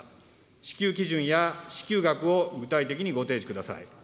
支給基準や支給額を具体的にご提示ください。